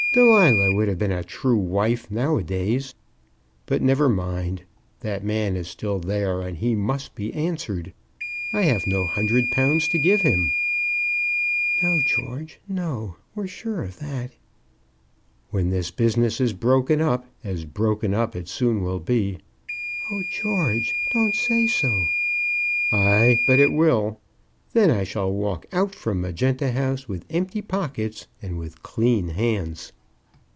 "Delilah would have been a true wife now a days. But never mind. That man is still there, and he must be answered. I have no hundred pounds to give him." "No, George; no; we're sure of that." "When this business is broken up, as broken up it soon will be " "Oh, George, don't say so." "Ay, but it will. Then I shall walk out from Magenta House with empty pockets and with clean hands."